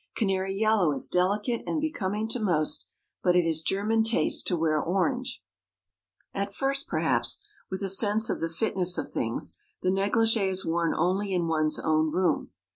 Canary yellow is delicate and becoming to most, but it is German taste to wear orange. At first, perhaps, with a sense of the fitness of things, the négligée is worn only in one's own room.